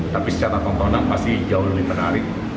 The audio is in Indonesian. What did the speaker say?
tapi secara komponen pasti jauh lebih menarik